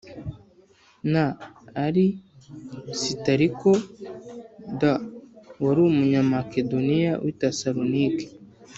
na Arisitarikod wari Umunyamakedoniya w i Tesalonike